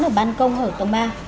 ở ban công ở tầng ba